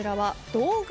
道具！？